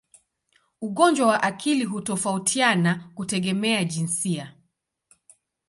Ugonjwa wa akili hutofautiana kutegemea jinsia.